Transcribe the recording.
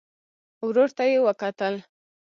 ورور ته يې وکتل.